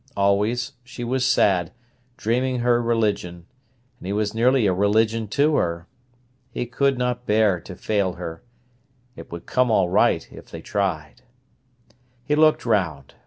Always, she was sad, dreaming her religion; and he was nearly a religion to her. He could not bear to fail her. It would all come right if they tried. He looked round.